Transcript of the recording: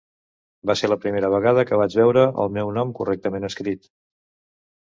Va ser la primera vegada que vaig veure el meu nom correctament escrit.